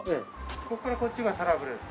ここからこっちがサラブレッド。